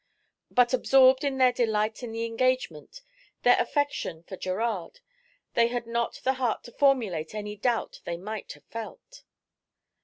But absorbed in their delight in the engagement, their affection for Gerard, they had not the heart to formulate any doubt they might have felt.